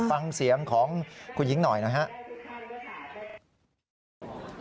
ฟังเสียงของคุณหญิงหน่อยนะครับ